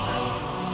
aku tahu paman